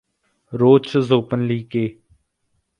Roach is openly gay.